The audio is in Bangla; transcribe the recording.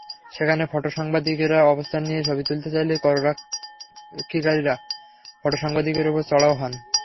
সেখানে ফটোসাংবাদিকেরা অবস্থান নিয়ে ছবি তুলতে চাইলে করারক্ষীরা ফটোসাংবাদিকদের ওপর চড়াও হন।